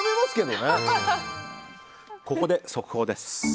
ここで、速報です。